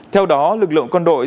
theo đó lực lượng con đội